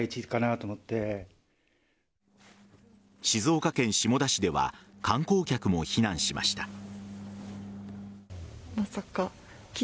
静岡県下田市では観光客も避難しました。